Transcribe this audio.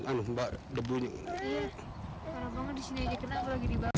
aduh mbak debunya